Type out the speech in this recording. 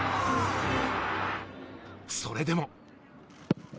それでも。